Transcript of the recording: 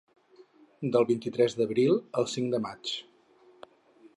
Del vint-i-tres d’abril al cinc de maig.